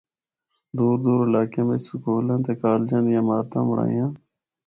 دور دور علاقیاں بچ سکولاں تے کالجاں دیاں عمارتاں بنڑائیاں۔